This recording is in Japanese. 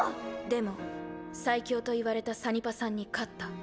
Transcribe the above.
でも最強と言われたサニパさんに勝った。